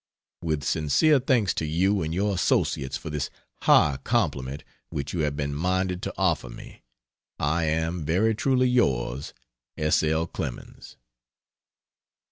With sincere thanks to you and your associates for this high compliment which you have been minded to offer me, I am, Very truly yours, S. L. CLEMENS.